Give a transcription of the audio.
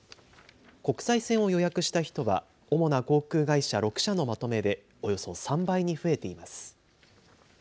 国際線を予約した人は主な航空会社６社のまとめでおよそ３倍に増えています。